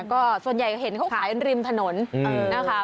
ก็ส่วนใหญ่เห็นเขาขายริมถนนนะคะ